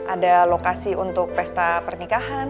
ada lokasi untuk pesta pernikahan